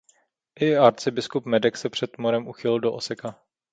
I arcibiskup Medek se před morem uchýlil do Oseka.